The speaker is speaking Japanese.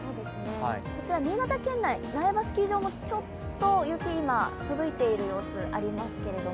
こちら新潟県内、苗場スキー場もちょっと吹雪いている様子、ありますけれども。